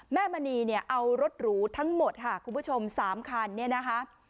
มณีเนี่ยเอารถหรูทั้งหมดค่ะคุณผู้ชม๓คันเนี่ยนะคะ